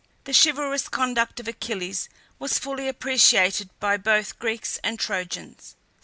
The chivalrous conduct of Achilles was fully appreciated by both Greeks and Trojans.